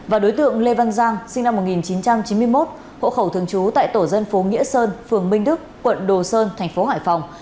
và đối tượng lê văn giang sinh năm một nghìn chín trăm chín mươi một hộ khẩu thường trú tại tổ dân phố nghĩa sơn phường minh đức quận đồ sơn thành phố hải phòng